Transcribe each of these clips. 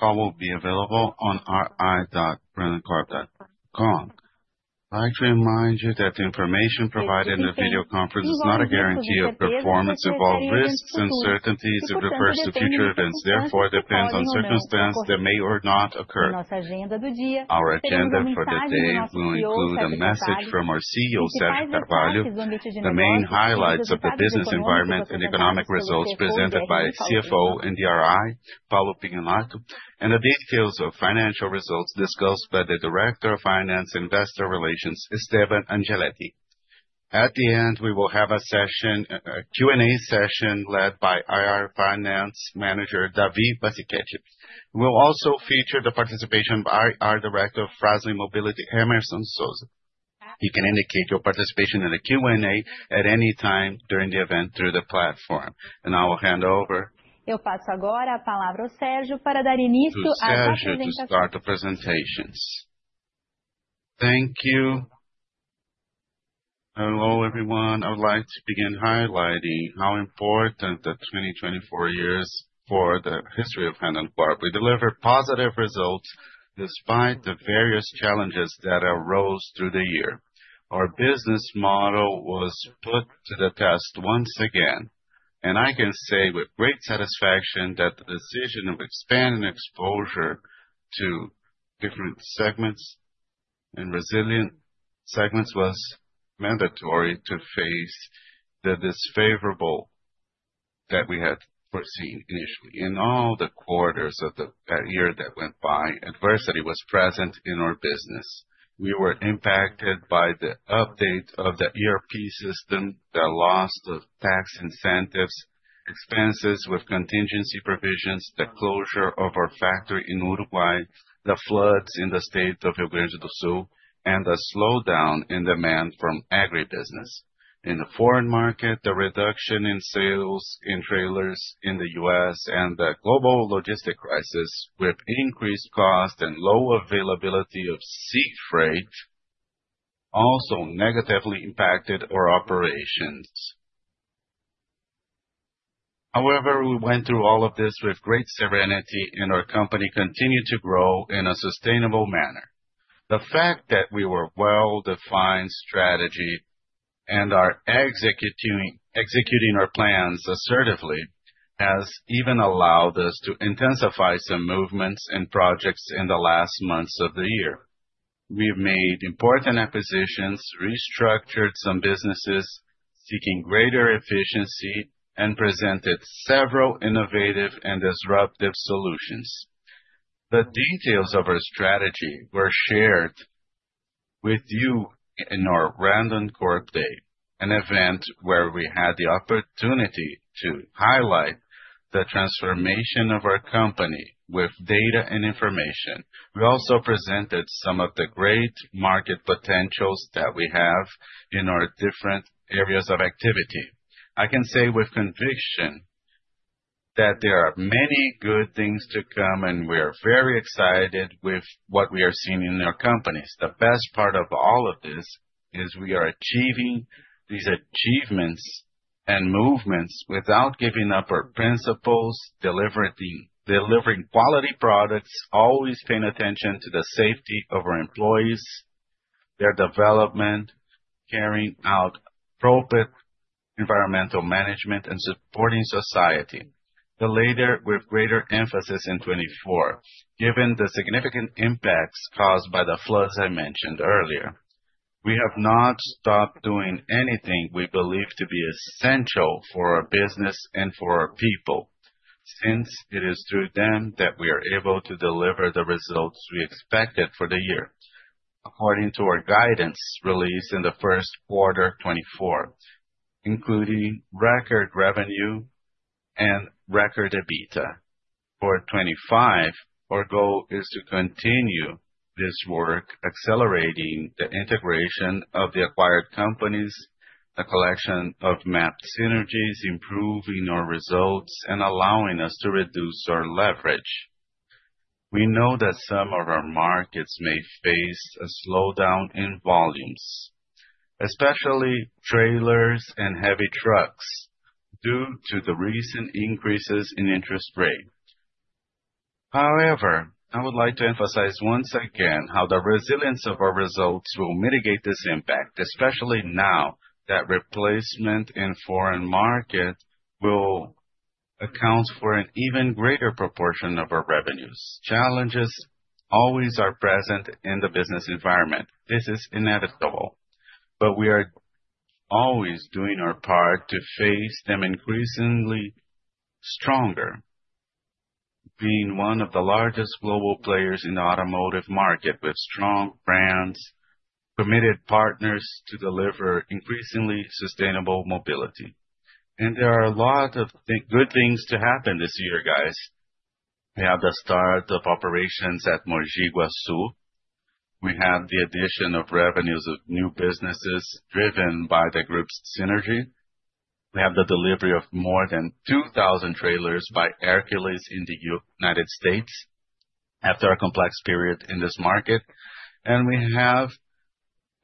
Call will be available on ri.randoncorp.com. I'd like to remind you that the information provided in the video conference is not a guarantee of performance. It involves risks and certainties. It refers to future events, therefore, it depends on circumstances that may or may not occur. Nossa agenda do dia. Our agenda for the day will include a message from our CEO, Sérgio Carvalho, the main highlights of the business environment and economic results presented by CFO and DRI, Paulo Piñonato, and the details of financial results discussed by the Director of Finance and Investor Relations, Esteban Angeletti. At the end, we will have a Q&A session led by IR Finance Manager, Davi Bassichetti. We will also feature the participation of IR Director, Emerson Soza. You can indicate your participation in the Q&A at any time during the event through the platform. I will hand over. Eu passo agora a palavra ao Sérgio para dar início à apresentação. Sérgio, please start the presentations. Thank you. Hello, everyone. I would like to begin highlighting how important the 2024 year is for the history of Randon. We delivered positive results despite the various challenges that arose through the year. Our business model was put to the test once again, and I can say with great satisfaction that the decision of expanding exposure to different segments and resilient segments was mandatory to face the disfavorable that we had foreseen initially. In all the quarters of the year that went by, adversity was present in our business. We were impacted by the update of the ERP system, the loss of tax incentives, expenses with contingency provisions, the closure of our factory in Uruguay, the floods in the state of Rio Grande do Sul, and the slowdown in demand from agribusiness. In the foreign market, the reduction in sales in trailers in the U.S. and the global logistic crisis, with increased costs and low availability of sea freight, also negatively impacted our operations. However, we went through all of this with great serenity, and our company continued to grow in a sustainable manner. The fact that we were well-defined strategy and are executing our plans assertively has even allowed us to intensify some movements and projects in the last months of the year. We've made important acquisitions, restructured some businesses, seeking greater efficiency, and presented several innovative and disruptive solutions. The details of our strategy were shared with you in our Randoncorp Day, an event where we had the opportunity to highlight the transformation of our company with data and information. We also presented some of the great market potentials that we have in our different areas of activity. I can say with conviction that there are many good things to come, and we are very excited with what we are seeing in our companies. The best part of all of this is we are achieving these achievements and movements without giving up our principles, delivering quality products, always paying attention to the safety of our employees, their development, carrying out appropriate environmental management, and supporting society. The latter, with greater emphasis in 2024, given the significant impacts caused by the floods I mentioned earlier. We have not stopped doing anything we believe to be essential for our business and for our people since it is through them that we are able to deliver the results we expected for the year, according to our guidance released in the Q1 2024, including record revenue and record EBITDA. For 2025, our goal is to continue this work, accelerating the integration of the acquired companies, the collection of mapped synergies, improving our results, and allowing us to reduce our leverage. We know that some of our markets may face a slowdown in volumes, especially trailers and heavy trucks, due to the recent increases in interest rates. However, I would like to emphasize once again how the resilience of our results will mitigate this impact, especially now that replacement in foreign markets will account for an even greater proportion of our revenues. Challenges always are present in the business environment. This is inevitable, but we are always doing our part to face them increasingly stronger, being one of the largest global players in the automotive market with strong brands, committed partners to deliver increasingly sustainable mobility. There are a lot of good things to happen this year, guys. We have the start of operations at Mogi Guazu. We have the addition of revenues of new businesses driven by the group's synergy. We have the delivery of more than 2,000 trailers by Hercules in the United States after a complex period in this market. We have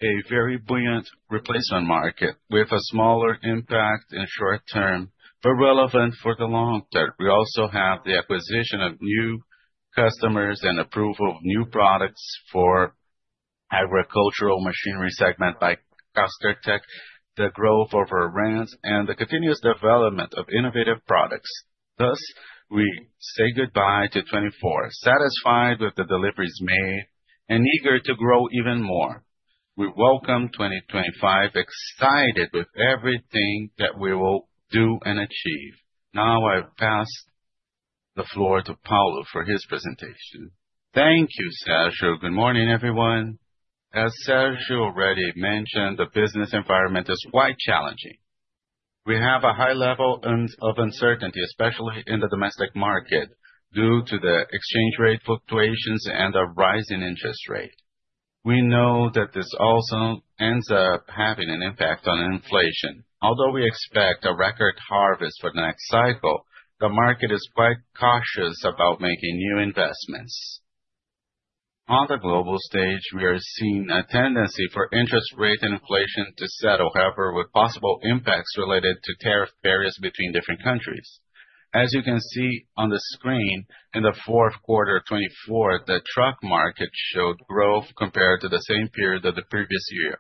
a very buoyant replacement market with a smaller impact in short term, but relevant for the long term. We also have the acquisition of new customers and approval of new products for the agricultural machinery segment by Castortech, the growth of our brands, and the continuous development of innovative products. Thus, we say goodbye to 2024, satisfied with the deliveries made and eager to grow even more. We welcome 2025, excited with everything that we will do and achieve. Now I pass the floor to Paulo for his presentation. Thank you, Sérgio. Good morning, everyone. As Sérgio already mentioned, the business environment is quite challenging. We have a high level of uncertainty, especially in the domestic market, due to the exchange rate fluctuations and the rising interest rate. We know that this also ends up having an impact on inflation. Although we expect a record harvest for the next cycle, the market is quite cautious about making new investments. On the global stage, we are seeing a tendency for interest rate and inflation to settle, however, with possible impacts related to tariff barriers between different countries. As you can see on the screen, in the Q4 of 2024, the truck market showed growth compared to the same period of the previous year,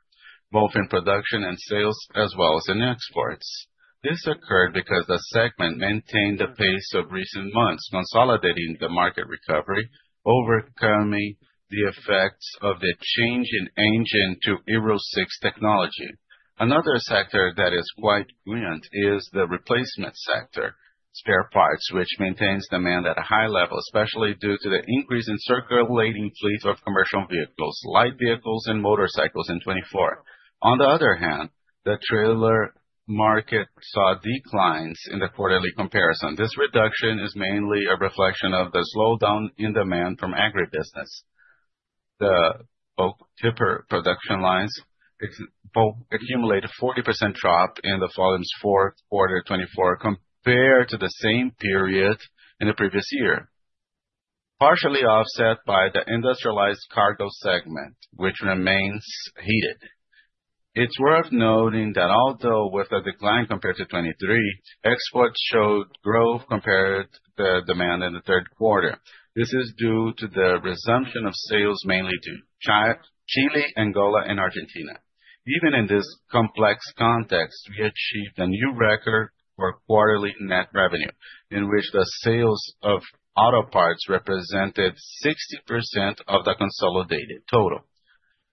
both in production and sales, as well as in exports. This occurred because the segment maintained the pace of recent months, consolidating the market recovery, overcoming the effects of the change in engine to Euro 6 technology. Another sector that is quite buoyant is the replacement sector, spare parts, which maintains demand at a high level, especially due to the increase in circulating fleets of commercial vehicles, light vehicles, and motorcycles in 2024. On the other hand, the trailer market saw declines in the quarterly comparison. This reduction is mainly a reflection of the slowdown in demand from agribusiness. The production lines accumulated a 40% drop in the following Q4 of 2024 compared to the same period in the previous year, partially offset by the industrialized cargo segment, which remains heated. It is worth noting that although with a decline compared to 2023, exports showed growth compared to the demand in the Q3. This is due to the resumption of sales mainly to Chile, Angola, and Argentina. Even in this complex context, we achieved a new record for quarterly net revenue, in which the sales of auto parts represented 60% of the consolidated total.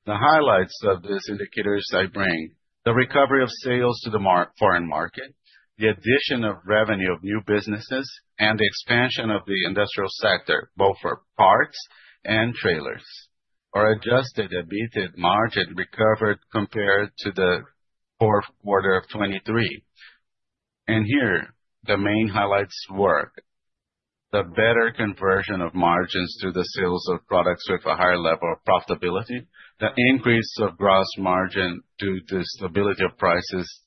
The highlights of this indicator I bring: the recovery of sales to the foreign market, the addition of revenue of new businesses, and the expansion of the industrial sector, both for parts and trailers. Our adjusted EBITDA margin recovered compared to the Q4 of 2023. The main highlights were the better conversion of margins through the sales of products with a higher level of profitability, the increase of gross margin due to the stability of prices,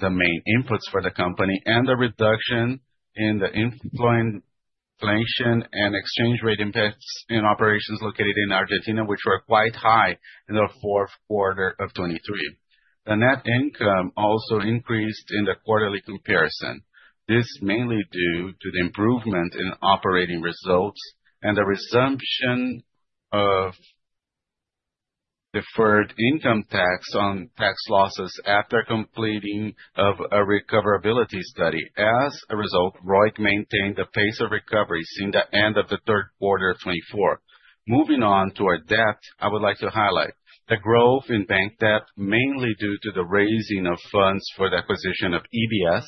the main inputs for the company, and the reduction in the inflation and exchange rate impacts in operations located in Argentina, which were quite high in the Q4 of 2023. The net income also increased in the quarterly comparison. This is mainly due to the improvement in operating results and the resumption of deferred income tax on tax losses after completing a recoverability study. As a result, Randon S.A. Implementos e Participações maintained the pace of recovery since the end of the Q3 of 2024. Moving on to our debt, I would like to highlight the growth in bank debt, mainly due to the raising of funds for the acquisition of EBS,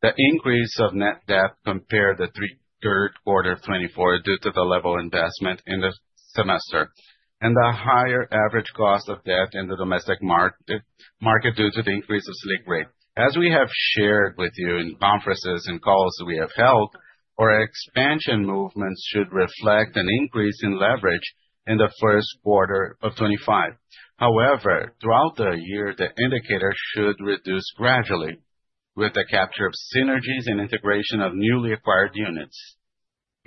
the increase of net debt compared to the Q3 of 2024 due to the level of investment in the semester, and the higher average cost of debt in the domestic market due to the increase of Selic rate. As we have shared with you in conferences and calls that we have held, our expansion movements should reflect an increase in leverage in the Q1 of 2025. However, throughout the year, the indicator should reduce gradually with the capture of synergies and integration of newly acquired units.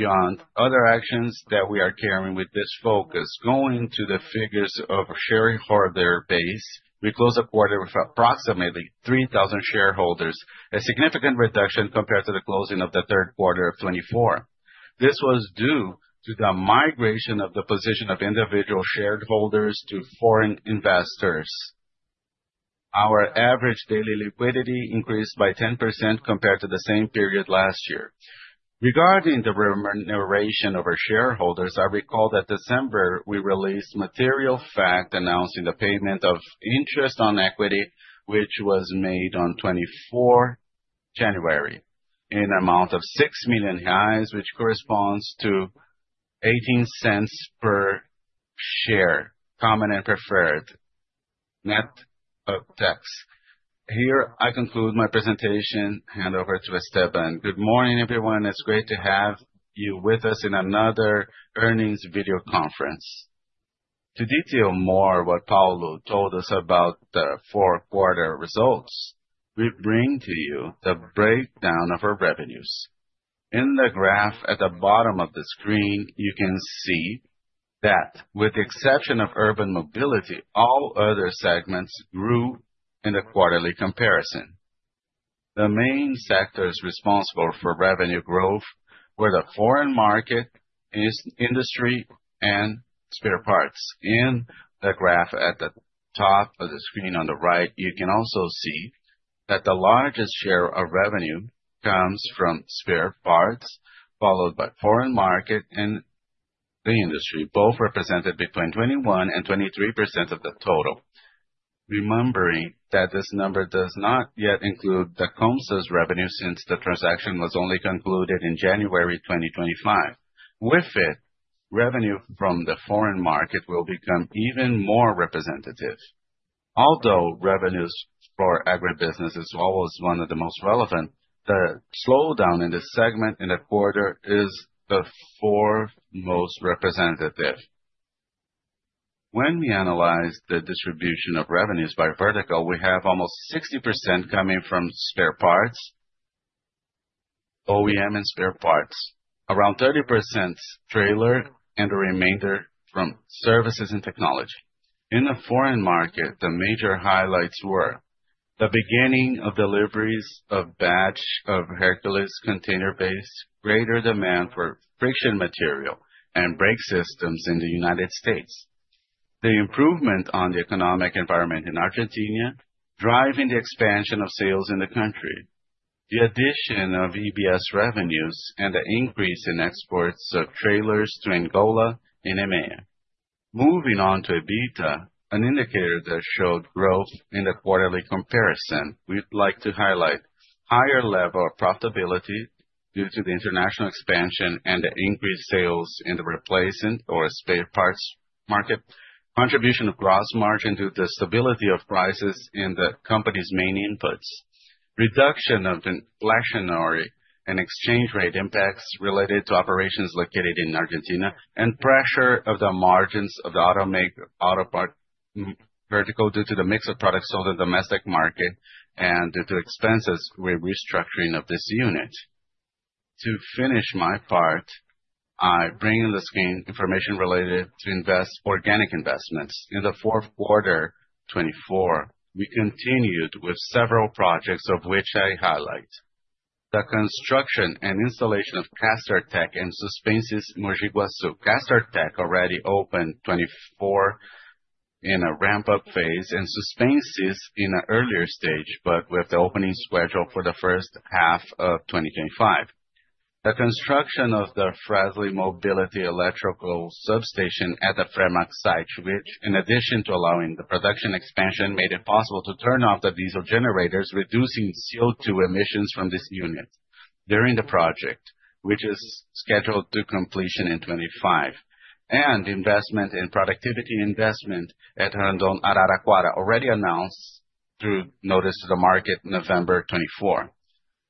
Beyond other actions that we are carrying with this focus, going to the figures of shareholder base, we closed the quarter with approximately 3,000 shareholders, a significant reduction compared to the closing of the Q3 of 2024. This was due to the migration of the position of individual shareholders to foreign investors. Our average daily liquidity increased by 10% compared to the same period last year. Regarding the remuneration of our shareholders, I recall that in December we released material fact announcing the payment of interest on equity, which was made on 2024, January, in the amount of $6 million, which corresponds to $0.18 per share, common and preferred net of tax. Here, I conclude my presentation and hand over to Esteban. Good morning, everyone. It's great to have you with us in another earnings video conference. To detail more of what Paulo told us about the Q4 results, we bring to you the breakdown of our revenues. In the graph at the bottom of the screen, you can see that with the exception of urban mobility, all other segments grew in the quarterly comparison. The main sectors responsible for revenue growth were the foreign market, industry, and spare parts. In the graph at the top of the screen on the right, you can also see that the largest share of revenue comes from spare parts, followed by foreign market and the industry, both represented between 21% and 23% of the total. Remembering that this number does not yet include the Comsys revenue since the transaction was only concluded in January 2025. With it, revenue from the foreign market will become even more representative. Although revenues for agribusiness is always one of the most relevant, the slowdown in the segment in the quarter is the fourth most representative. When we analyze the distribution of revenues by vertical, we have almost 60% coming from spare parts, OEM, and spare parts, around 30% trailer, and the remainder from services and technology. In the foreign market, the major highlights were the beginning of deliveries of batch of Hercules container-based, greater demand for friction material and brake systems in the United States, the improvement on the economic environment in Argentina, driving the expansion of sales in the country, the addition of EBS revenues, and the increase in exports of trailers to Angola and EMEA. Moving on to EBITDA, an indicator that showed growth in the quarterly comparison, we'd like to highlight a higher level of profitability due to the international expansion and the increased sales in the replacement or spare parts market, contribution of gross margin due to the stability of prices in the company's main inputs, reduction of the inflationary and exchange rate impacts related to operations located in Argentina, and pressure of the margins of the auto part vertical due to the mix of products sold in the domestic market and due to expenses with restructuring of this unit. To finish my part, I bring on the screen information related to organic investments. In the Q4 2024, we continued with several projects of which I highlight the construction and installation of Caspar Tech and Suspensys Mogi Guazu. Caspar Tech already opened 2024 in a ramp-up phase and Suspensys in an earlier stage, but with the opening scheduled for the first half of 2025. The construction of the Fras-le Mobility electrical substation at the Fremack site, which, in addition to allowing the production expansion, made it possible to turn off the diesel generators, reducing CO2 emissions from this unit during the project, which is scheduled for completion in 2025, and investment in productivity at Randon Araraquara already announced through notice to the market in November 2024.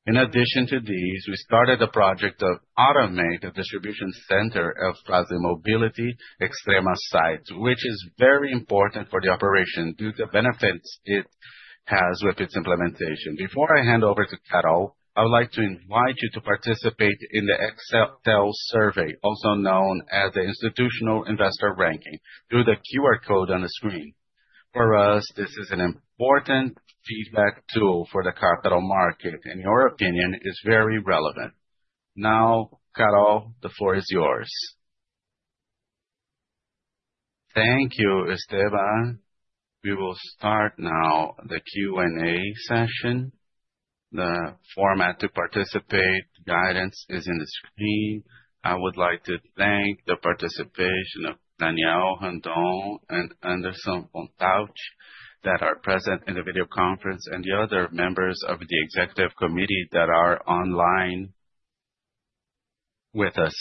In addition to these, we started the project to automate the distribution center of Fras-le Mobility Extrema site, which is very important for the operation due to the benefits it has with its implementation. Before I hand over to, I would like to invite you to participate in the Excel survey, also known as the Institutional Investor Ranking, through the QR code on the screen. For us, this is an important feedback tool for the capital market. In your opinion, it's very relevant. Now, Carol, the floor is yours. Thank you, Esteban. We will start now the Q&A session. The format to participate guidance is in the screen. I would like to thank the participation of Danielle Randon and Anderson Bontauchi that are present in the video conference and the other members of the executive committee that are online with us.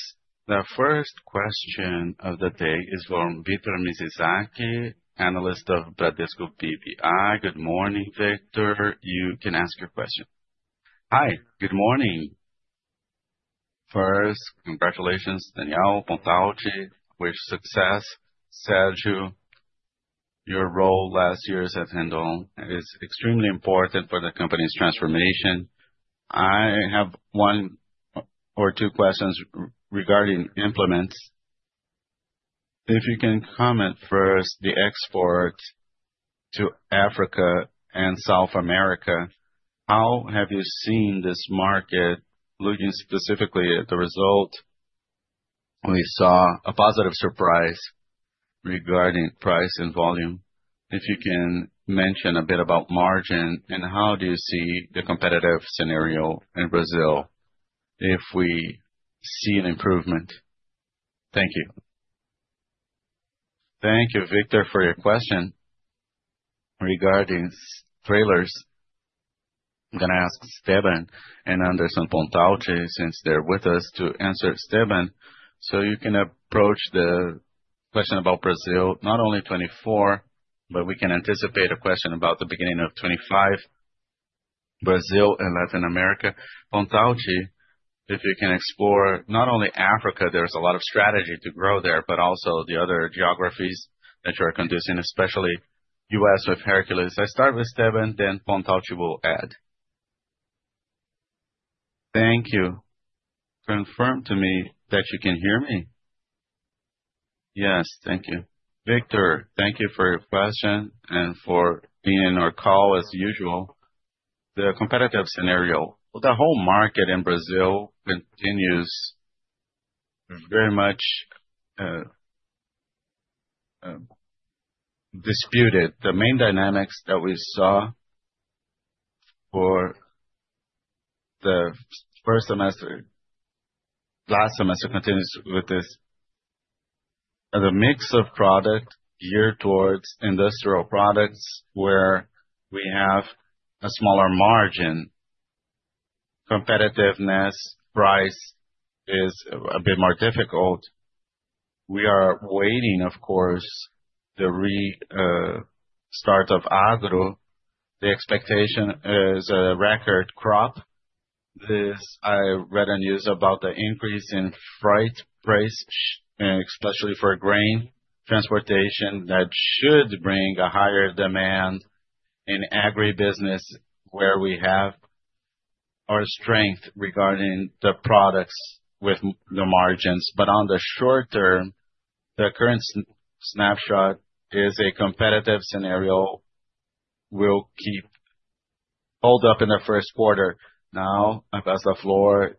The first question of the day is from Victor Mizizaki, analyst of Bradesco BBI. Good morning, Victor. You can ask your question. Hi, good morning. First, congratulations, Danielle Bontauchi, with success. Sérgio, your role last year at Randon is extremely important for the company's transformation. I have one or two questions regarding implements. If you can comment first, the export to Africa and South America, how have you seen this market looking specifically at the result? We saw a positive surprise regarding price and volume. If you can mention a bit about margin and how do you see the competitive scenario in Brazil if we see an improvement? Thank you. Thank you, Victor, for your question regarding trailers. I'm going to ask Esteban and Anderson Bontauchi since they're with us to answer. Esteban, so you can approach the question about Brazil not only 2024, but we can anticipate a question about the beginning of 2025, Brazil and Latin America. Bontauchi, if you can explore not only Africa, there is a lot of strategy to grow there, but also the other geographies that you are conducting, especially the US with Hercules. I start with Esteban, then Bontauchi will add. Thank you. Confirm to me that you can hear me. Yes, thank you. Victor, thank you for your question and for being on our call as usual. The competitive scenario, the whole market in Brazil continues very much disputed. The main dynamics that we saw for the first semester, last semester continues with this. The mix of product geared towards industrial products where we have a smaller margin, competitiveness, price is a bit more difficult. We are waiting, of course, the start of Agro. The expectation is a record crop. I read a news about the increase in freight price, especially for grain transportation, that should bring a higher demand in agribusiness where we have our strength regarding the products with the margins. On the short term, the current snapshot is a competitive scenario. We'll keep hold up in the Q1. Now, I pass the floor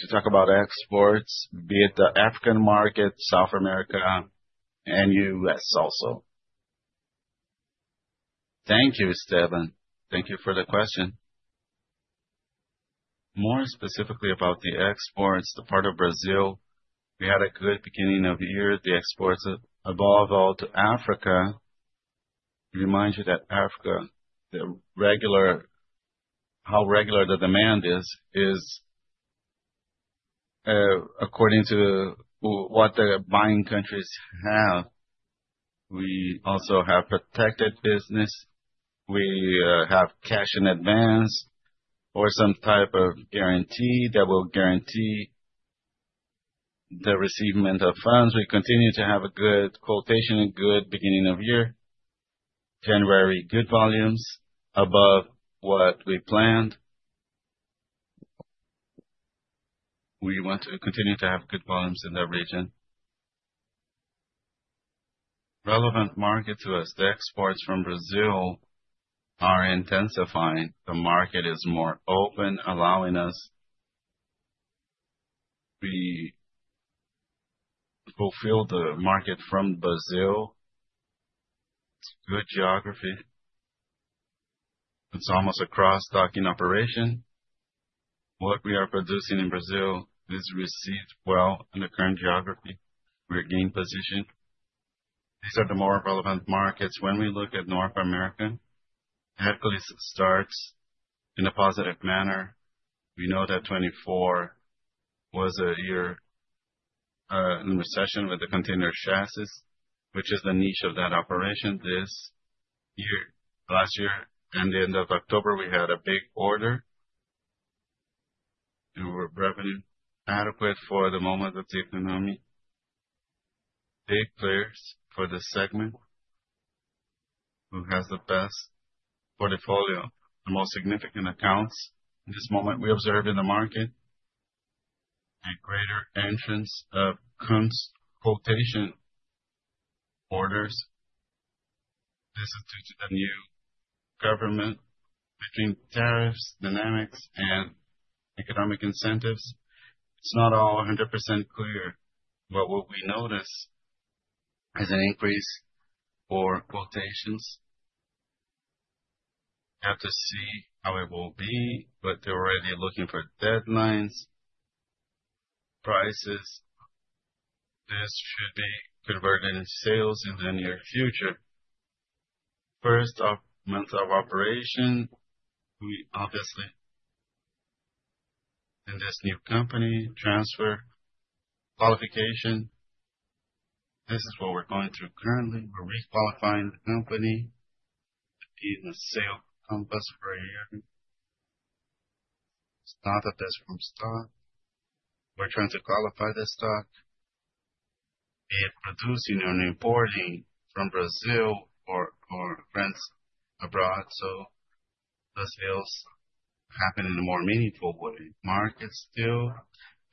to talk about exports, be it the African market, South America, and US also. Thank you, Esteban. Thank you for the question. More specifically about the exports, the part of Brazil, we had a good beginning of the year. The exports above all to Africa. Remind you that Africa, the regular, how regular the demand is, is according to what the buying countries have. We also have protected business. We have cash in advance or some type of guarantee that will guarantee the receivement of funds. We continue to have a good quotation, good beginning of year, January good volumes above what we planned. We want to continue to have good volumes in that region. Relevant market to us, the exports from Brazil are intensifying. The market is more open, allowing us to fulfill the market from Brazil. It's good geography. It's almost a cross-talking operation. What we are producing in Brazil is received well in the current geography. We're gaining position. These are the more relevant markets. When we look at North America, Hercules starts in a positive manner. We know that 2024 was a year in recession with the container chassis, which is the niche of that operation. This year, last year and the end of October, we had a big order and we were revenue adequate for the moment of the economy. Big players for the segment who has the best portfolio, the most significant accounts in this moment, we observe in the market a greater entrance of quotation orders. This is due to the new government between tariffs, dynamics, and economic incentives. It's not all 100% clear, but what we notice is an increase for quotations. We have to see how it will be, but they're already looking for deadlines, prices. This should be converted into sales in the near future. First month of operation, we obviously in this new company transfer qualification. This is what we're going through currently. We're requalifying the company to be in the sale compass for a year. It's not a best from stock. We're trying to qualify this stock, be it producing or importing from Brazil or friends abroad. Those sales happen in a more meaningful way. Market still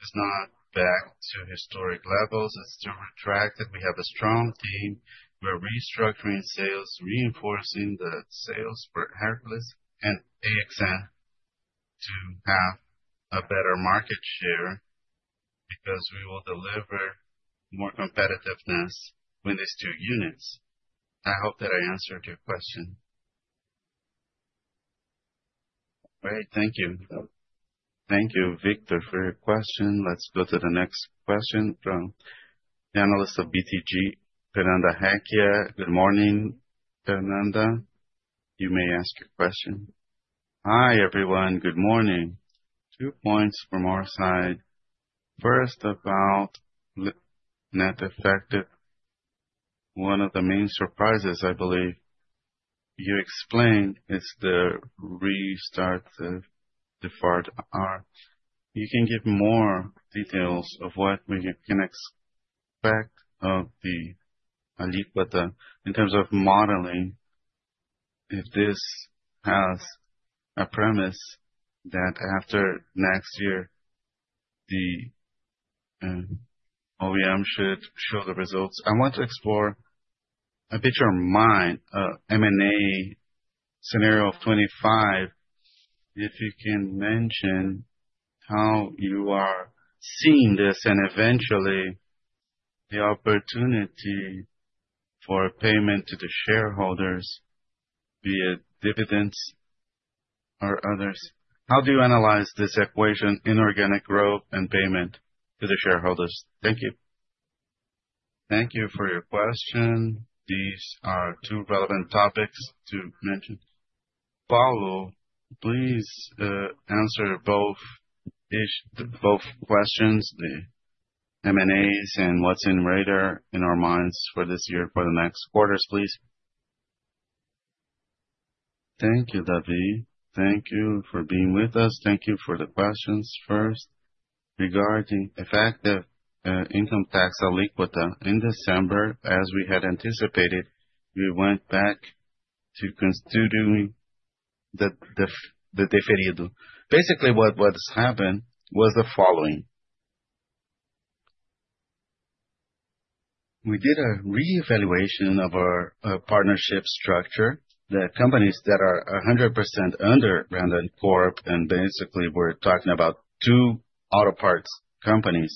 is not back to historic levels. It's still retracted. We have a strong team. We're restructuring sales, reinforcing the sales for Hercules and AXN to have a better market share because we will deliver more competitiveness with these two units. I hope that I answered your question. All right, thank you. Thank you, Victor, for your question. Let's go to the next question from the analyst of BTG, Fernanda Hacquia. Good morning, Fernanda. You may ask your question. Hi, everyone. Good morning. Two points from our side. First, about net effective, one of the main surprises, I believe you explained, is the restart of the Ford R. You can give more details of what we can expect of the alíquota in terms of modeling, if this has a premise that after next year, the OEM should show the results. I want to explore a picture of mind, an M&A scenario of 2025. If you can mention how you are seeing this and eventually the opportunity for payment to the shareholders, be it dividends or others. How do you analyze this equation in organic growth and payment to the shareholders? Thank you. Thank you for your question. These are two relevant topics to mention. Paulo, please answer both questions, the M&As and what's in radar in our minds for this year, for the next quarters, please. Thank you, David. Thank you for being with us. Thank you for the questions first. Regarding effective income tax aliquota in December, as we had anticipated, we went back to constituting the deferido. Basically, what's happened was the following. We did a re-evaluation of our partnership structure, the companies that are 100% under Randoncorp, and basically we're talking about two auto parts companies.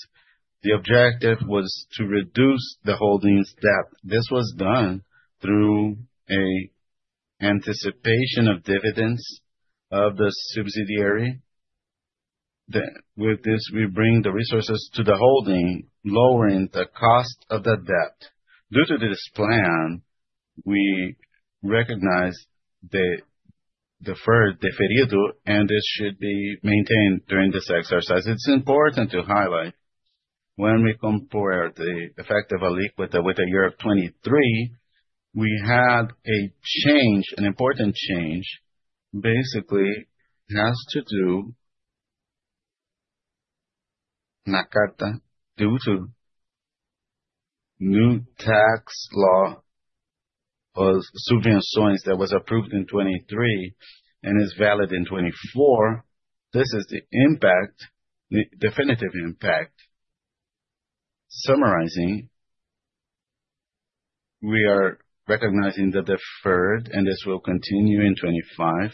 The objective was to reduce the holding's debt. This was done through an anticipation of dividends of the subsidiary. With this, we bring the resources to the holding, lowering the cost of the debt. Due to this plan, we recognize the deferred, and this should be maintained during this exercise. It's important to highlight when we compare the effective aliquota with the year of 2023, we had a change, an important change. Basically, it has to do with a new tax law of subvenções that was approved in 2023 and is valid in 2024. This is the impact, the definitive impact. Summarizing, we are recognizing the deferred, and this will continue in 2025,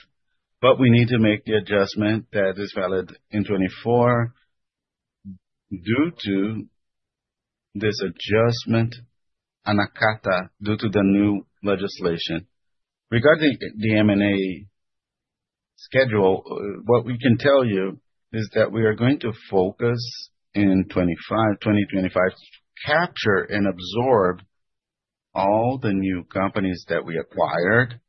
but we need to make the adjustment that is valid in 2024 due to this adjustment, an acata due to the new legislation. Regarding the M&A schedule, what we can tell you is that we are going to focus in 2025, capture and absorb all the new companies that we acquired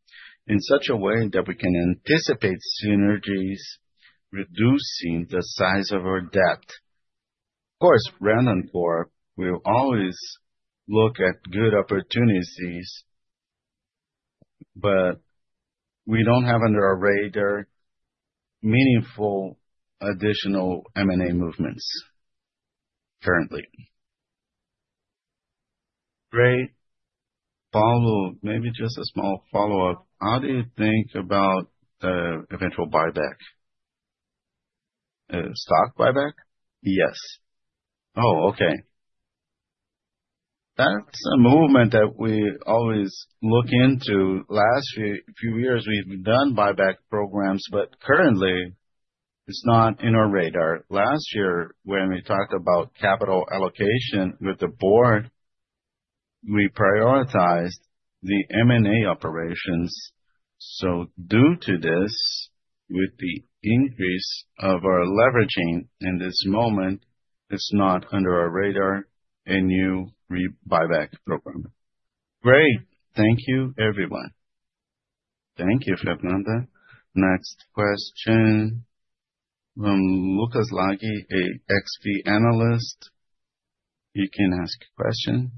in such a way that we can anticipate synergies reducing the size of our debt. Of course, Randoncorp, we always look at good opportunities, but we do not have under our radar meaningful additional M&A movements currently. Great. Paulo, maybe just a small follow-up. How do you think about the eventual buyback? Stock buyback? Yes. Oh, okay. That is a movement that we always look into. Last few years, we have done buyback programs, but currently, it is not in our radar. Last year, when we talked about capital allocation with the board, we prioritized the M&A operations. Due to this, with the increase of our leveraging in this moment, it is not under our radar, a new buyback program. Great. Thank you, everyone. Thank you, Fernanda. Next question. Lucas Lagi, an XP analyst. You can ask your question.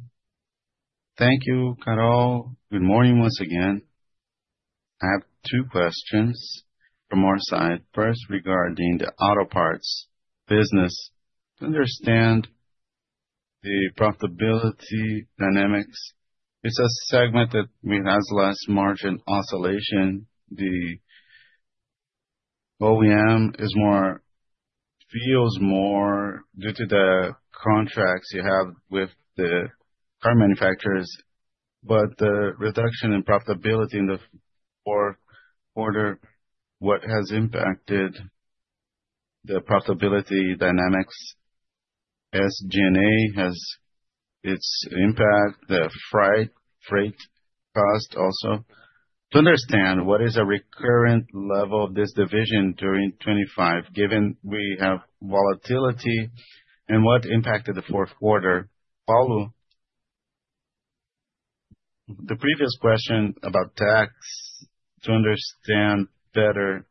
Thank you, Carol. Good morning once again. I have two questions from our side. First, regarding the auto parts business, to understand the profitability dynamics. It's a segment that has less margin oscillation. The OEM feels more due to the contracts you have with the car manufacturers, but the reduction in profitability in the Q4, what has impacted the profitability dynamics? SG&A has its impact, the freight cost also. To understand what is a recurrent level of this division during 2025, given we have volatility and what impacted the Q4. Paulo, the previous question about tax, to understand better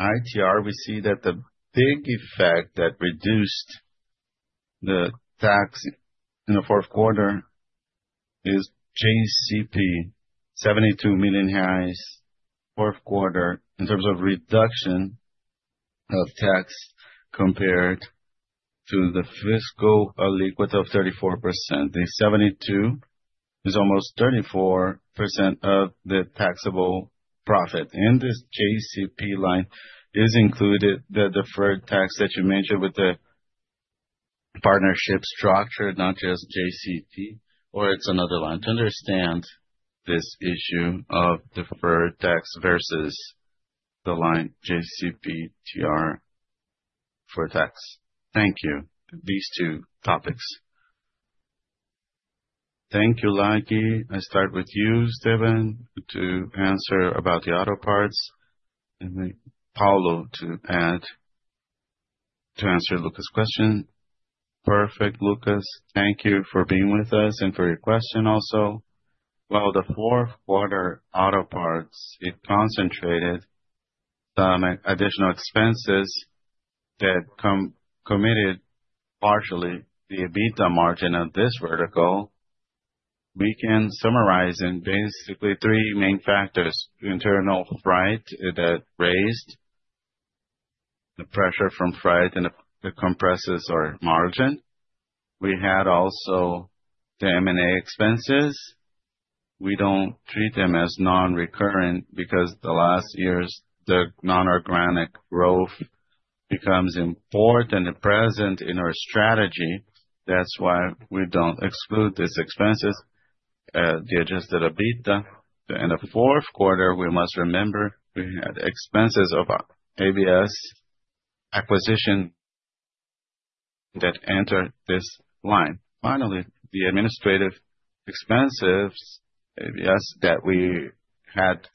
ITR, we see that the big effect that reduced the tax in the Q4 is JCP, 72 million reais highs, Q4 in terms of reduction of tax compared to the fiscal alliquota of 34%. The 72 is almost 34% of the taxable profit. In this JCP line is included the deferred tax that you mentioned with the partnership structure, not just JCP, or it's another line. To understand this issue of deferred tax versus the line JCP TR for tax. Thank you. These two topics. Thank you, Lagi. I start with you, Esteban, to answer about the auto parts. And then Paulo to add to answer Lucas' question. Perfect, Lucas. Thank you for being with us and for your question also. While the Q4 auto parts, it concentrated some additional expenses that committed partially the EBITDA margin of this vertical. We can summarize in basically three main factors: internal freight that raised the pressure from freight and the compressors or margin. We had also the M&A expenses. We do not treat them as non-recurrent because the last years, the non-organic growth becomes important and present in our strategy. That is why we do not exclude these expenses, the adjusted EBITDA. In the Q4, we must remember we had expenses of EBS acquisition that entered this line. Finally, the administrative expenses, EBS that we had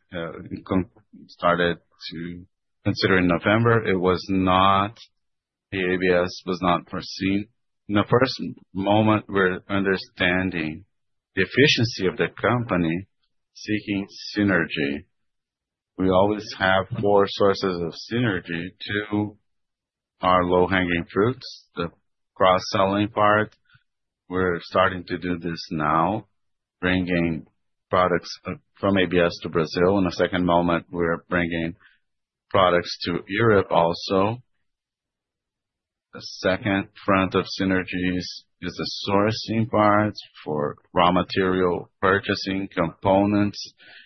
started to consider in November, it was not the EBS was not foreseen. In the first moment, we are understanding the efficiency of the company seeking synergy. We always have four sources of synergy to our low-hanging fruits, the cross-selling part. We're starting to do this now, bringing products from EBS to Brazil. In a second moment, we're bringing products to Europe also. The second front of synergies is the sourcing parts for raw material purchasing components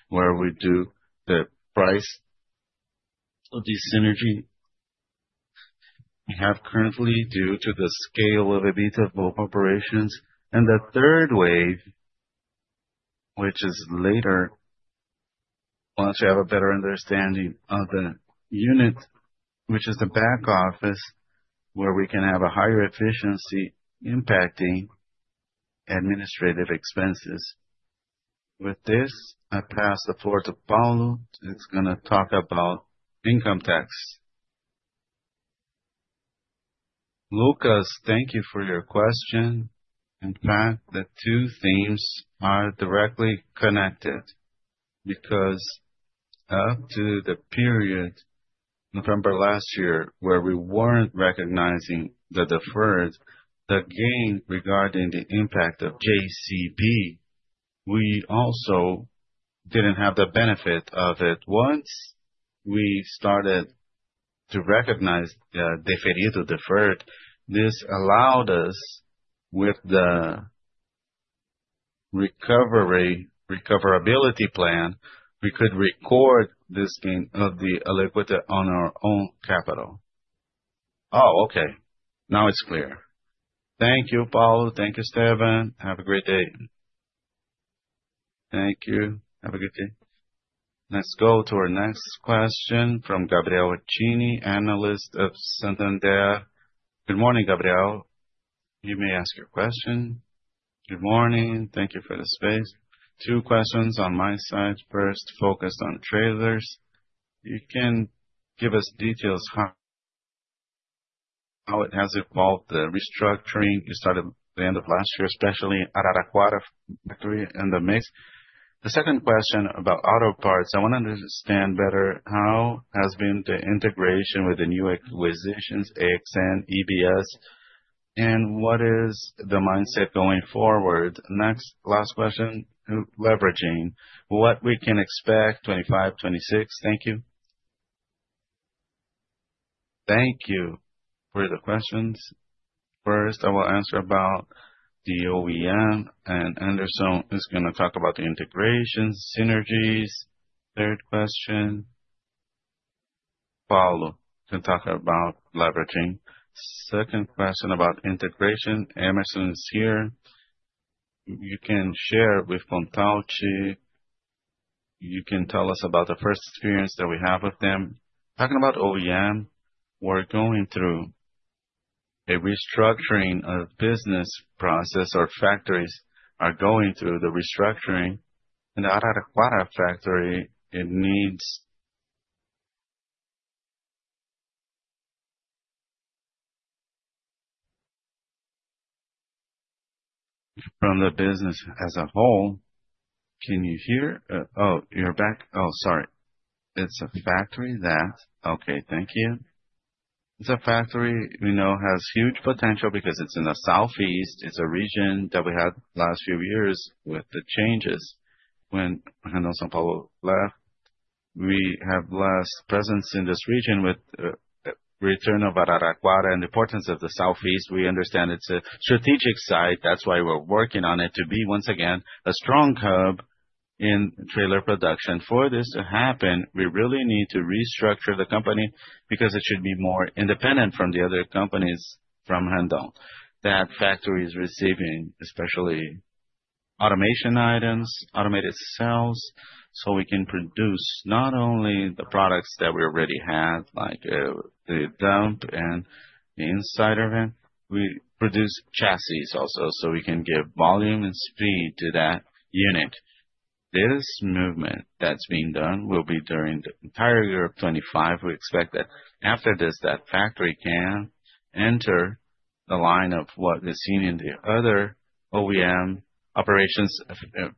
where we do the price of the synergy we have currently due to the scale of EBITDA both operations. The third wave, which is later, once we have a better understanding of the unit, is the back office where we can have a higher efficiency impacting administrative expenses. With this, I pass the floor to Paulo. He's going to talk about income tax. Lucas, thank you for your question. In fact, the two themes are directly connected because up to the period, November last year, where we weren't recognizing the deferred, the gain regarding the impact of JCP, we also didn't have the benefit of it. Once we started to recognize the deferred, this allowed us with the recoverability plan, we could record this gain of the alliquota on our own capital. Oh, okay. Now it's clear. Thank you, Paulo. Thank you, Esteban. Have a great day. Thank you. Have a good day. Let's go to our next question from Gabriel Achini, analyst of Santander. Good morning, Gabriel. You may ask your question. Good morning. Thank you for the space. Two questions on my side. First, focused on trailers. You can give us details how it has evolved the restructuring. You started at the end of last year, especially at Araraquara Factory and the mix. The second question about auto parts, I want to understand better how has been the integration with the new acquisitions, AXN, EBS, and what is the mindset going forward? Next, last question, leveraging, what we can expect '25, '26. Thank you. Thank you for the questions. First, I will answer about the OEM, and Anderson is going to talk about the integration synergies. Third question, Paulo can talk about leveraging. Second question about integration, Emerson is here. You can share with Montalto. You can tell us about the first experience that we have with them. Talking about OEM, we're going through a restructuring of business process or factories are going through the restructuring. And the Araraquara factory, it needs from the business as a whole. Can you hear? Oh, you're back. Oh, sorry. It's a factory that, okay, thank you. It's a factory we know has huge potential because it's in the Southeast. It's a region that we had last few years with the changes. When General São Paulo left, we have less presence in this region with the return of Araraquara and the importance of the Southeast. We understand it's a strategic side. That's why we're working on it to be, once again, a strong hub in trailer production. For this to happen, we really need to restructure the company because it should be more independent from the other companies from Randon. That factory is receiving especially automation items, automated cells, so we can produce not only the products that we already have, like the dump and the inside of it. We produce chassis also so we can give volume and speed to that unit. This movement that's being done will be during the entire year of 2025. We expect that after this, that factory can enter the line of what we've seen in the other OEM operations,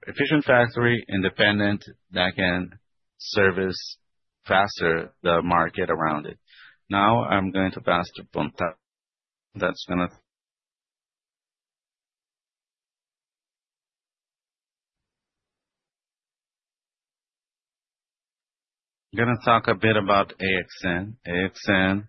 efficient factory, independent that can service faster the market around it. Now I'm going to pass to Bonta. That's going to I'm going to talk a bit about AXN. AXN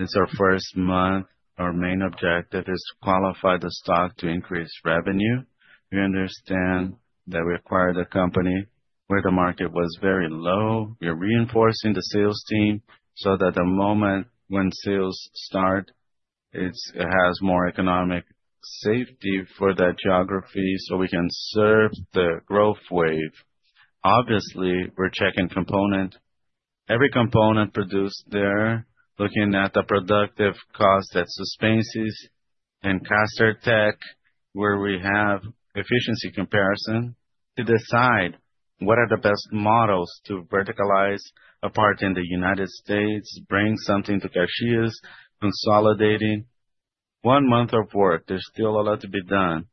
is our first month. Our main objective is to qualify the stock to increase revenue. We understand that we acquired a company where the market was very low. We're reinforcing the sales team so that the moment when sales start, it has more economic safety for that geography so we can serve the growth wave. Obviously, we're checking component. Every component produced there, looking at the productive cost at Suspensys and Caster Tech, where we have efficiency comparison to decide what are the best models to verticalize apart in the United States, bring something to Caxias, consolidating. One month of work. There's still a lot to be done.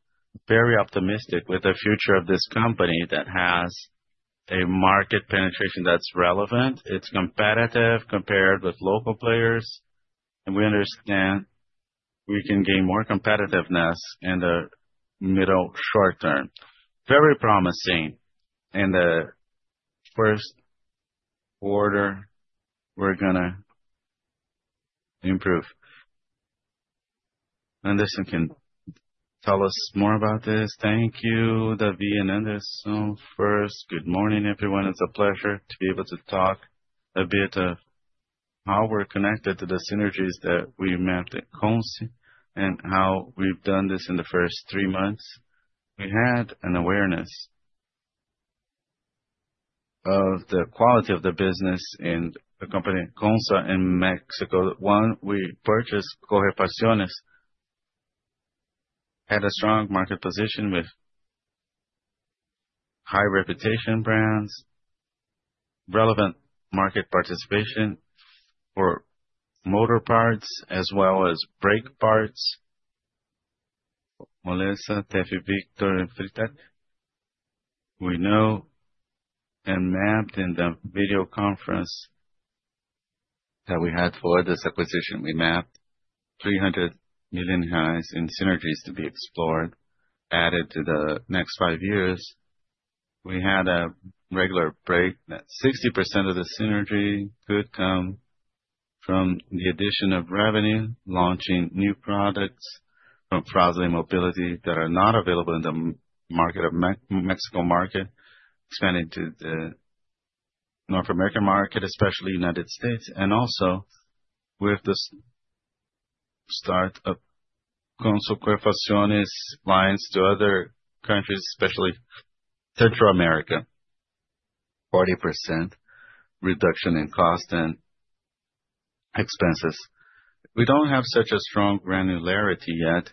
Very optimistic with the future of this company that has a market penetration that's relevant. It's competitive compared with local players. We understand we can gain more competitiveness in the middle short term. Very promising. In the Q1, we're going to improve. Anderson can tell us more about this. Thank you, Davi and Anderson. First, good morning, everyone. It's a pleasure to be able to talk a bit of how we're connected to the synergies that we met at Comsys and how we've done this in the first three months. We had an awareness of the quality of the business in the company Comsys in Mexico. One, we purchased Cogepasiones, had a strong market position with high reputation brands, relevant market participation for motor parts as well as brake parts. Melissa, Tefi, Victor, and Fritech. We know and mapped in the video conference that we had for this acquisition. We mapped 300 million in synergies to be explored, added to the next five years. We had a regular break that 60% of the synergy could come from the addition of revenue, launching new products from Fras-le Mobility that are not available in the Mexico market, expanding to the North American market, especially United States, and also with the start of Consys Cuerpacciones lines to other countries, especially Central America, 40% reduction in cost and expenses. We do not have such a strong granularity yet,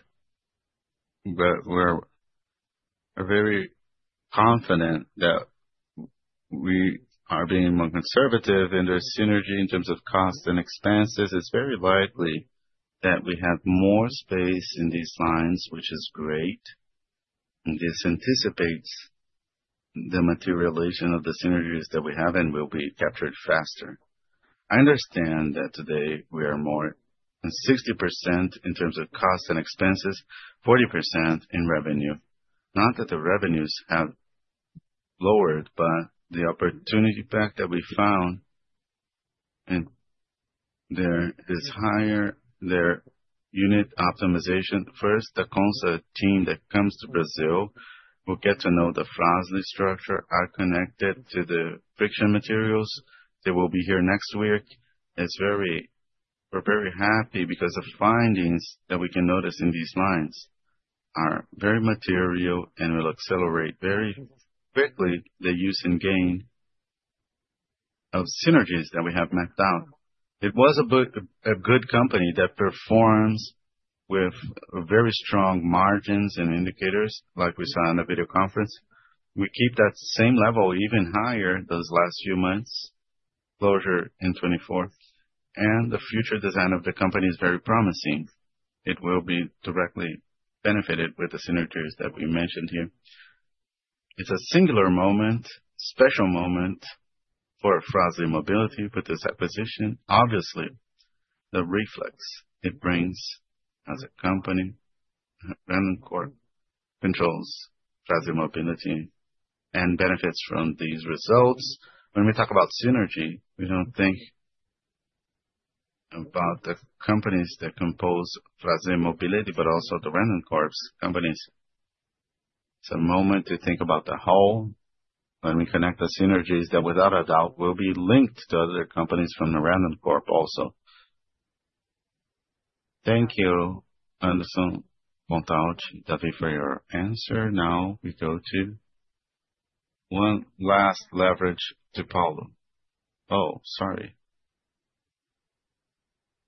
but we are very confident that we are being more conservative in the synergy in terms of cost and expenses. It is very likely that we have more space in these lines, which is great. This anticipates the materialization of the synergies that we have and will be captured faster. I understand that today we are more than 60% in terms of cost and expenses, 40% in revenue. Not that the revenues have lowered, but the opportunity pack that we found there is higher. Their unit optimization, first, the Comsys team that comes to Brazil will get to know the Fras-le structure, are connected to the friction materials. They will be here next week. We're very happy because the findings that we can notice in these lines are very material and will accelerate very quickly the use and gain of synergies that we have mapped out. It was a good company that performs with very strong margins and indicators like we saw in the video conference. We keep that same level even higher those last few months, closure in 2024. The future design of the company is very promising. It will be directly benefited with the synergies that we mentioned here. It's a singular moment, special moment for Fras-le Mobility with this acquisition. Obviously, the reflex it brings as a company, Randoncorp controls Fras-le Mobility and benefits from these results. When we talk about synergy, we do not think about the companies that compose Fras-le Mobility, but also the Randoncorp companies. It is a moment to think about the whole when we connect the synergies that without a doubt will be linked to other companies from the Randoncorp also. Thank you, Anderson Bontauchi, Davi, for your answer. Now we go to one last leverage to Paulo. Oh, sorry.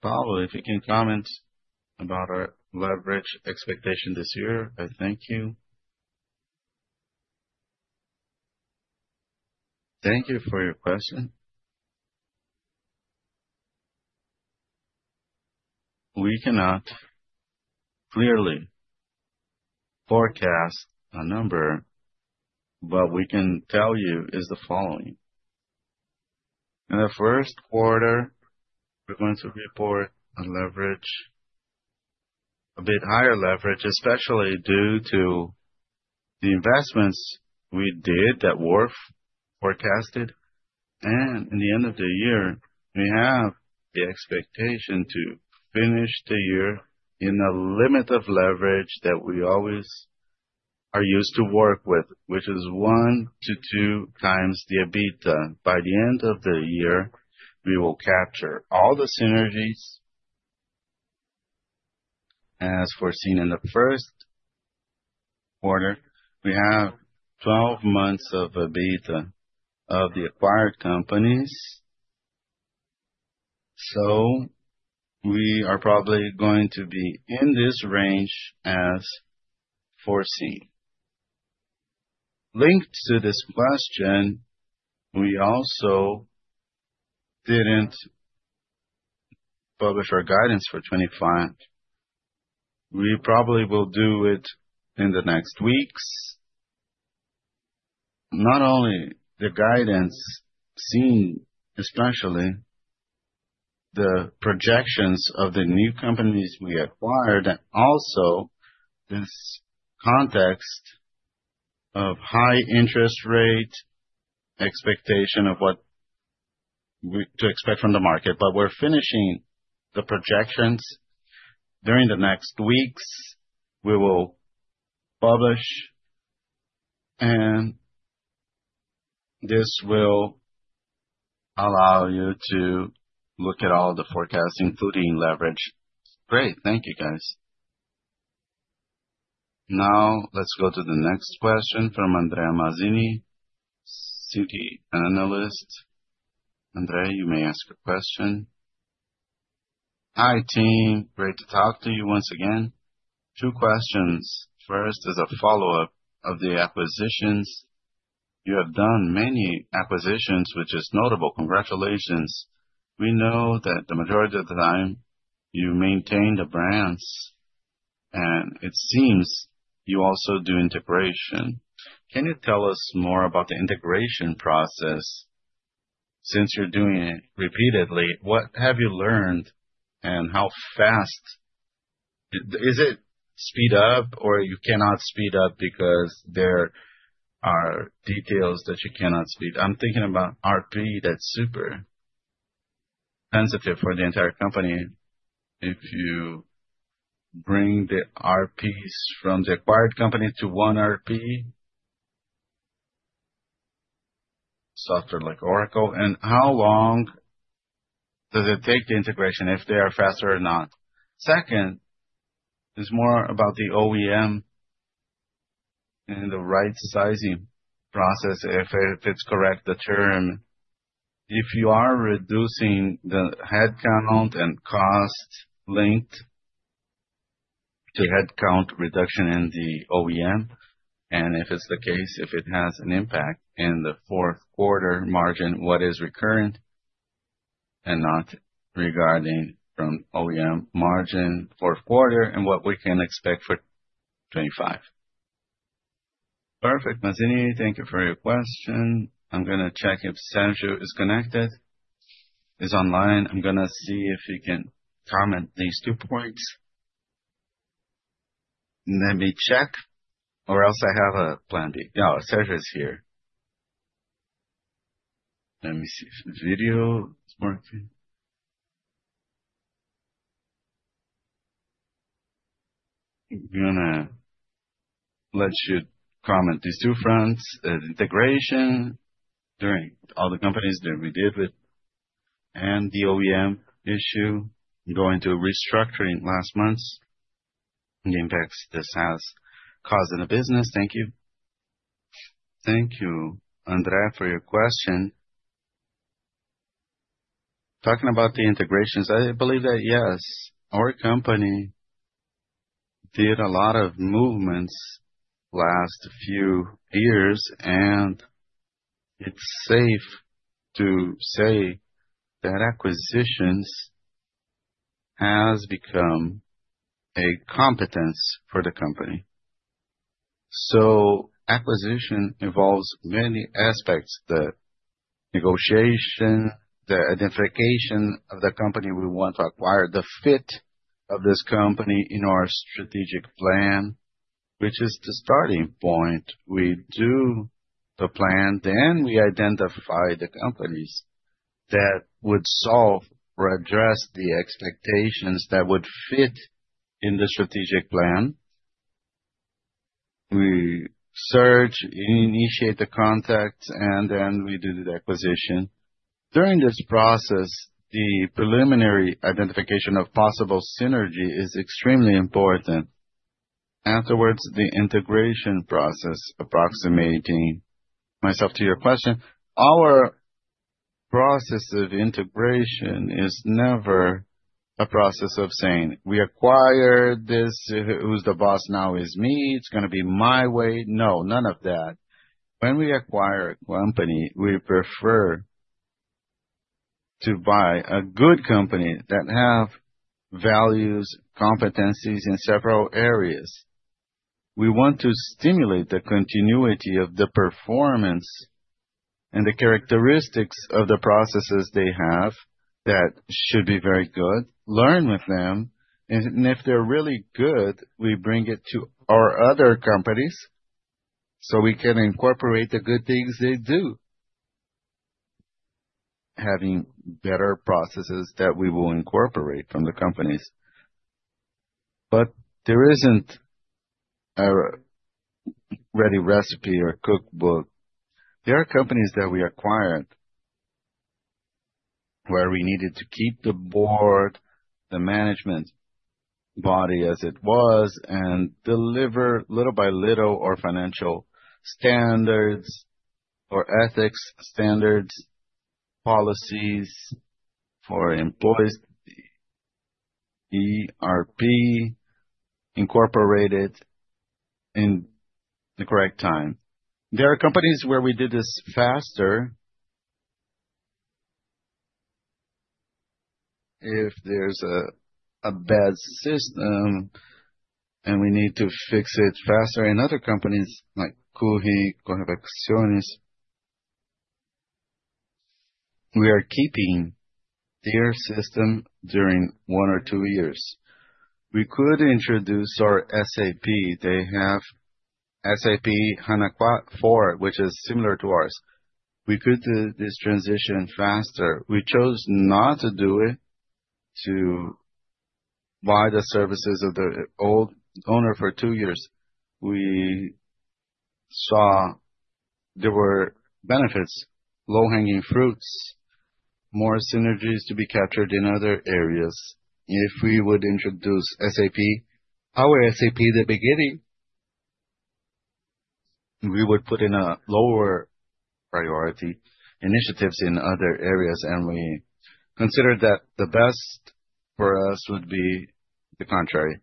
Paulo, if you can comment about our leverage expectation this year, I thank you. Thank you for your question. We cannot clearly forecast a number, but what we can tell you is the following. In the Q1, we are going to report a leverage, a bit higher leverage, especially due to the investments we did that were forecasted. In the end of the year, we have the expectation to finish the year in a limit of leverage that we always are used to work with, which is one to two times the EBITDA. By the end of the year, we will capture all the synergies as foreseen in the Q1. We have 12 months of EBITDA of the acquired companies. We are probably going to be in this range as foreseen. Linked to this question, we also did not publish our guidance for 2025. We probably will do it in the next weeks. Not only the guidance seen, especially the projections of the new companies we acquired, and also this context of high interest rate expectation of what to expect from the market. We are finishing the projections. During the next weeks, we will publish, and this will allow you to look at all the forecasts, including leverage. Great. Thank you, guys. Now let's go to the next question from Andrea Mazini, CT analyst. Andrea, you may ask a question. Hi, team. Great to talk to you once again. Two questions. First is a follow-up of the acquisitions. You have done many acquisitions, which is notable. Congratulations. We know that the majority of the time you maintain the brands, and it seems you also do integration. Can you tell us more about the integration process? Since you're doing it repeatedly, what have you learned and how fast? Is it speed up or you cannot speed up because there are details that you cannot speed? I'm thinking about RP that's super sensitive for the entire company. If you bring the RPs from the acquired company to one RP, software like Oracle, and how long does it take the integration if they are faster or not? Second, it's more about the OEM and the right sizing process, if it's correct, the term. If you are reducing the headcount and cost linked to headcount reduction in the OEM, and if it's the case, if it has an impact in the Q4 margin, what is recurrent and not regarding from OEM margin Q4 and what we can expect for 2025. Perfect, Mazini. Thank you for your question. I'm going to check if Sérgio is connected. He's online. I'm going to see if he can comment these two points. Let me check, or else I have a plan B. Oh, Sérgio is here. Let me see if the video is working. I'm going to let you comment these two fronts, the integration during all the companies that we did with and the OEM issue going to restructuring last months and the impacts this has caused in the business. Thank you. Thank you, Andrea, for your question. Talking about the integrations, I believe that yes, our company did a lot of movements last few years, and it's safe to say that acquisitions have become a competence for the company. Acquisition involves many aspects: the negotiation, the identification of the company we want to acquire, the fit of this company in our strategic plan, which is the starting point. We do the plan, then we identify the companies that would solve or address the expectations that would fit in the strategic plan. We search, initiate the contacts, and then we do the acquisition. During this process, the preliminary identification of possible synergy is extremely important. Afterwards, the integration process approximating. Myself to your question, our process of integration is never a process of saying, "We acquired this. Who's the boss now is me. It's going to be my way." No, none of that. When we acquire a company, we prefer to buy a good company that has values, competencies in several areas. We want to stimulate the continuity of the performance and the characteristics of the processes they have that should be very good, learn with them. If they're really good, we bring it to our other companies so we can incorporate the good things they do, having better processes that we will incorporate from the companies. There isn't a ready recipe or cookbook. There are companies that we acquired where we needed to keep the board, the management body as it was, and deliver little by little our financial standards or ethics standards, policies for employees, ERP, incorporated in the correct time. There are companies where we did this faster. If there's a bad system and we need to fix it faster, and other companies like Cuji, Cogepaciones, we are keeping their system during one or two years. We could introduce our SAP. They have SAP HANA4, which is similar to ours. We could do this transition faster. We chose not to do it to buy the services of the old owner for two years. We saw there were benefits, low-hanging fruits, more synergies to be captured in other areas. If we would introduce SAP, our SAP at the beginning, we would put in a lower priority initiatives in other areas, and we considered that the best for us would be the contrary.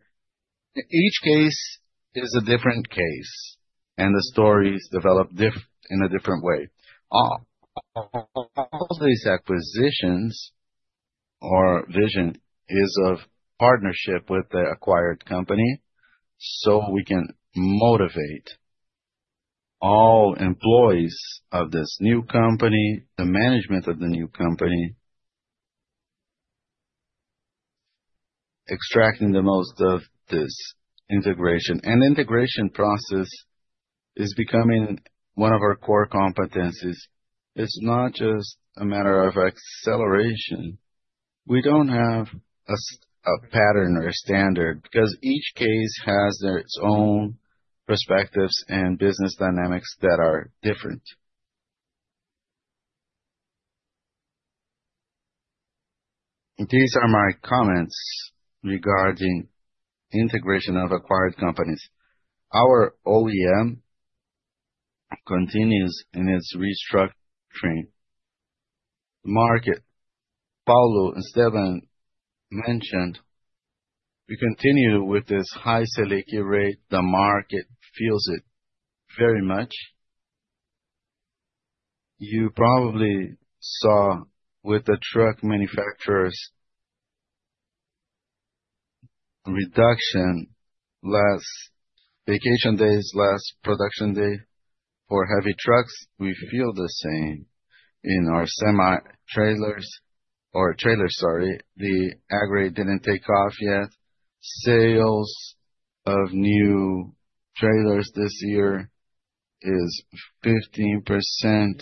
Each case is a different case, and the stories develop in a different way. All these acquisitions or vision is of partnership with the acquired company so we can motivate all employees of this new company, the management of the new company, extracting the most of this integration. The integration process is becoming one of our core competencies. It's not just a matter of acceleration. We don't have a pattern or a standard because each case has its own perspectives and business dynamics that are different. These are my comments regarding integration of acquired companies. Our OEM continues in its restructuring market. Paulo and Esteban mentioned we continue with this high Salechi rate. The market feels it very much. You probably saw with the truck manufacturers' reduction last vacation days, last production day for heavy trucks. We feel the same in our semi-trailers or trailers, sorry. The aggregate did not take off yet. Sales of new trailers this year is 15% in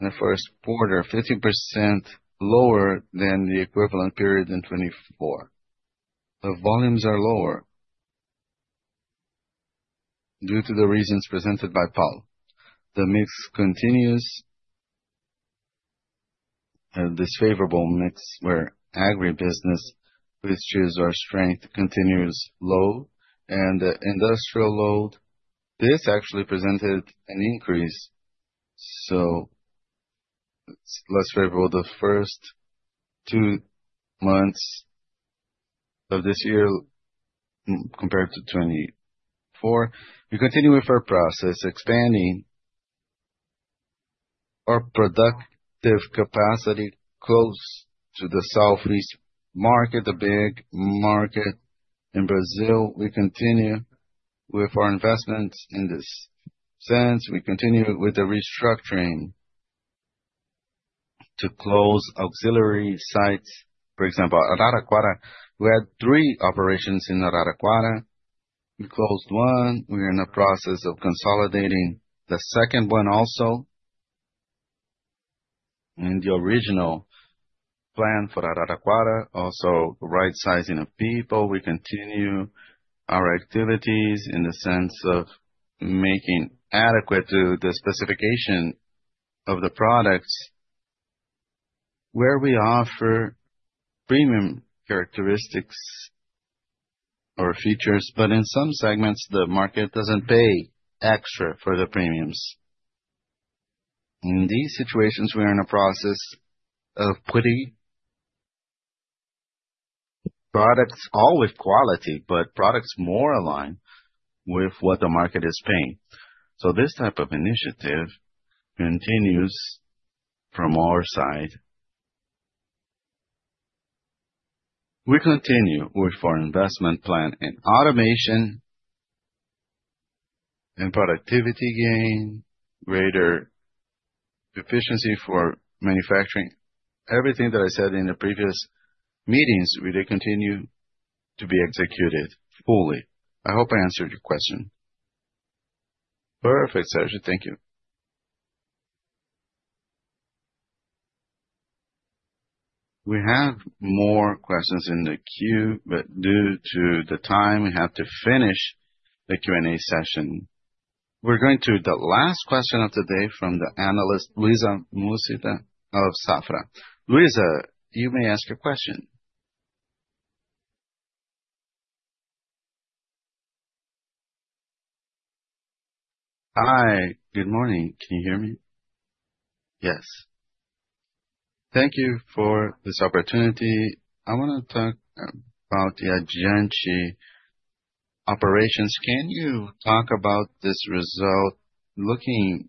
the Q1, 15% lower than the equivalent period in 2024. The volumes are lower due to the reasons presented by Paulo. The mix continues, a disfavorable mix where agribusiness, which is our strength, continues low, and the industrial load. This actually presented an increase, so it is less favorable the first two months of this year compared to 2024. We continue with our process, expanding our productive capacity close to the Southeast market, the big market in Brazil. We continue with our investments in this sense. We continue with the restructuring to close auxiliary sites. For example, Araraquara, we had three operations in Araraquara. We closed one. We are in the process of consolidating the second one also. The original plan for Araraquara, also right-sizing of people. We continue our activities in the sense of making adequate to the specification of the products where we offer premium characteristics or features, but in some segments, the market does not pay extra for the premiums. In these situations, we are in a process of putting products, all with quality, but products more aligned with what the market is paying. This type of initiative continues from our side. We continue with our investment plan and automation and productivity gain, greater efficiency for manufacturing. Everything that I said in the previous meetings, we continue to be executed fully. I hope I answered your question. Perfect, Sérgio. Thank you. We have more questions in the queue, but due to the time, we have to finish the Q&A session. We're going to the last question of the day from the analyst, Luisa Mucida of Safra. Luisa, you may ask a question. Hi, good morning. Can you hear me? Yes. Thank you for this opportunity. I want to talk about the Agenchi operations. Can you talk about this result looking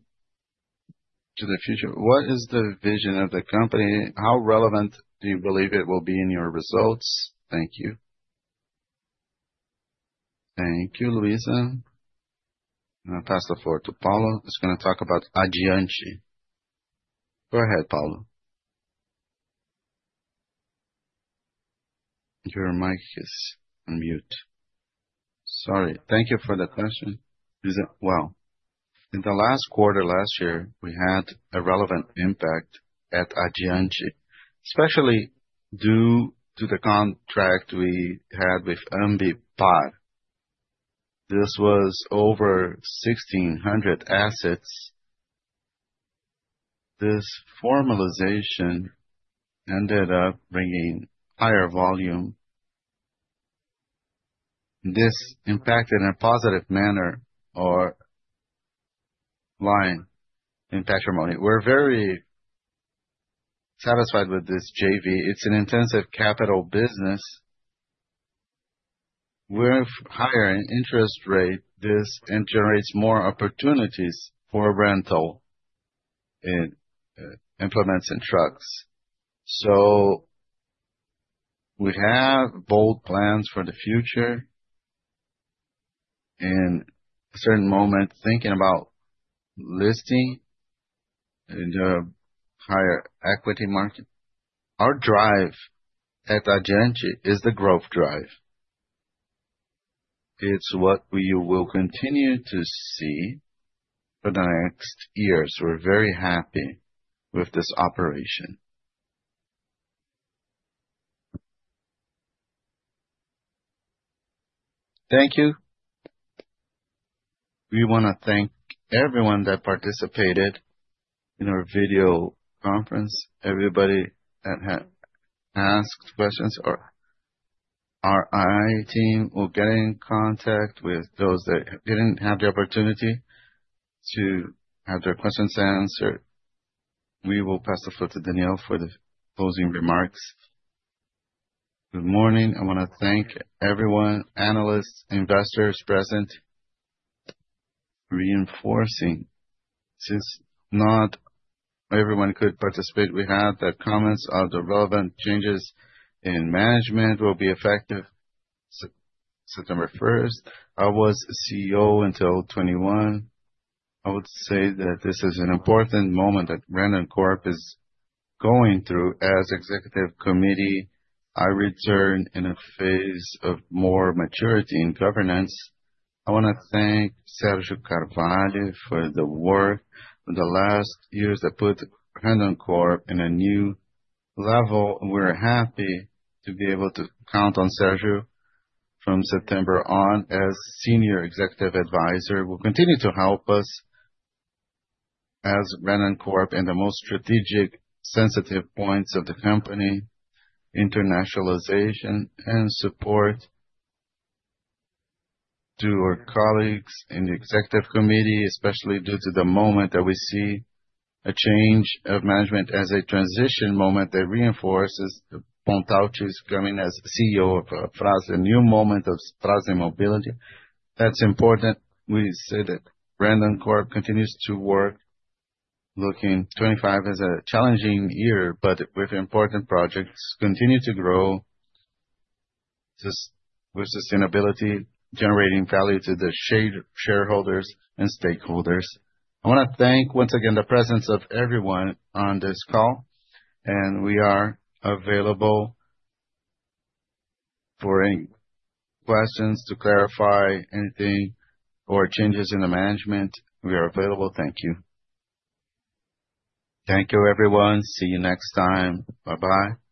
to the future? What is the vision of the company? How relevant do you believe it will be in your results? Thank you. Thank you, Luisa. I'm going to pass the floor to Paulo. He's going to talk about Agenchi. Go ahead, Paulo. Your mic is on mute. Sorry. Thank you for the question. In the last quarter last year, we had a relevant impact at Agenchi, especially due to the contract we had with Umbi Par. This was over 1,600 assets. This formalization ended up bringing higher volume. This impacted in a positive manner or line impact your money. We're very satisfied with this JV. It's an intensive capital business. We're higher in interest rate. This generates more opportunities for rental implements and trucks. We have bold plans for the future. In a certain moment, thinking about listing in the higher equity market, our drive at Agenchi is the growth drive. It's what we will continue to see for the next years. We're very happy with this operation. Thank you. We want to thank everyone that participated in our video conference. Everybody that had asked questions or our II team will get in contact with those that didn't have the opportunity to have their questions answered. We will pass the floor to Danielle for the closing remarks. Good morning. I want to thank everyone, analysts, investors present. Reinforcing this is not everyone could participate. We had the comments of the relevant changes in management will be effective September 1. I was CEO until 2021. I would say that this is an important moment that Randoncorp is going through as executive committee. I return in a phase of more maturity in governance. I want to thank Sérgio Carvalho for the work in the last years that put Randoncorp in a new level. We're happy to be able to count on Sérgio from September on as Senior Executive Advisor. He will continue to help us as Randoncorp in the most strategic sensitive points of the company, internationalization, and support to our colleagues in the executive committee, especially due to the moment that we see a change of management as a transition moment that reinforces the. Montalto is coming as CEO of Fras-le, a new moment of Fras-le Mobility. That's important. We said that Randoncorp continues to work looking at 2025 as a challenging year, but with important projects continuing to grow with sustainability, generating value to the shareholders and stakeholders. I want to thank once again the presence of everyone on this call, and we are available for any questions to clarify anything or changes in the management. We are available. Thank you. Thank you, everyone. See you next time. Bye-bye.